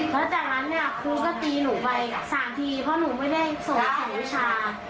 แล้วจากนั้นเนี่ยครูก็ตีหนูไป๓ทีเพราะหนูไม่ได้ส่งอนุชา